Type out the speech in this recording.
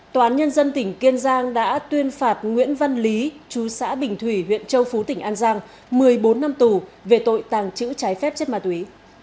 tòa án nhân dân tỉnh kiên giang đã tuyên phạt nguyễn văn lý chú xã bình thủy huyện châu phú tỉnh an giang một mươi bốn năm tù về tội tàng trữ trái phép chất ma túy